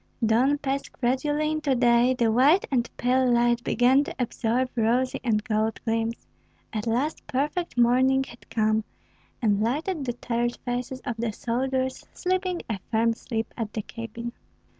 Dawn passed gradually into day; the white and pale light began to absorb rosy and golden gleams; at last perfect morning had come, and lighted the tired faces of the soldiers sleeping a firm sleep at the cabin.